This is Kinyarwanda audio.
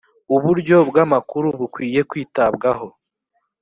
uburyo bw amakuru bukwiye kwitabwaho